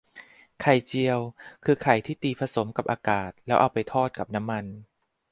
ไข่เจียว คือไข่ที่ตีผสมกับอากาศ แล้วเอาไปทอดกับน้ำมัน